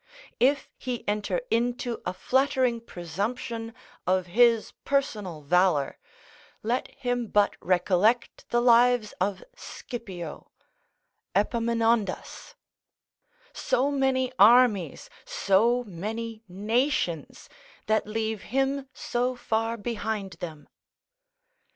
If he enter into a flattering presumption of his personal valour, let him but recollect the lives of Scipio, Epaminondas; so many armies, so many nations, that leave him so far behind them.